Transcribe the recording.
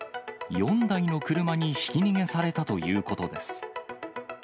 ４台の車にひき逃げされたということです。